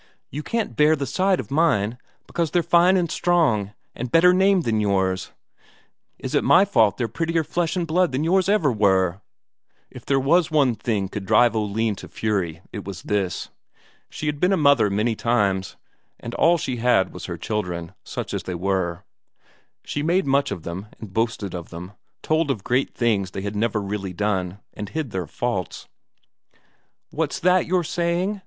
You can't bear the sight of mine, because they're fine and strong, and better named than yours. Is it my fault they're prettier flesh and blood than yours ever were?" If there was one thing could drive Oline to fury it was this. She had been a mother many times, and all she had was her children, such as they were; she made much of them, and boasted of them, told of great things they had never really done, and hid their faults. "What's that you're saying?"